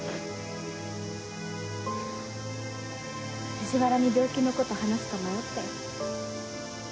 藤原に病気のこと話すか迷ったよ。